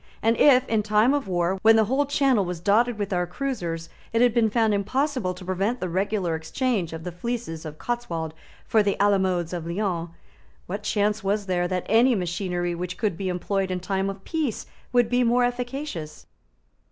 And, if, in time of war, when the whole Channel was dotted with our cruisers, it had been found impossible to prevent the regular exchange of the fleeces of Cotswold for the alamodes of Lyons, what chance was there that any machinery which could be employed in time of peace would be more efficacious?